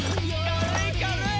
軽い軽い！